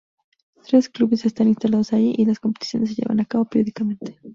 Tres clubes están instalados allí, y las competiciones se llevan a cabo periódicamente.